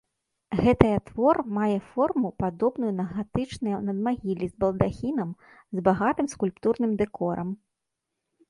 Гэтая твор мае форму, падобную на гатычныя надмагіллі з балдахінам, з багатым скульптурным дэкорам.